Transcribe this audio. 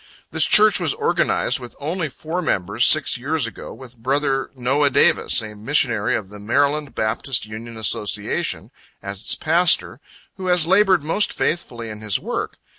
This Church was organized with only four members, six years ago, with brother Noah Davis, a missionary of the Md. Baptist Union Association, as its pastor, who has labored most faithfully in his work.